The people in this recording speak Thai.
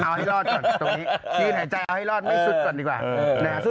เอาให้รอดก่อนตรงนี้ยื่นหายใจไม่ทิ้งอ่า